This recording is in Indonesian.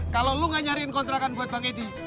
kalau lo gak nyariin kontrakan buat bang edi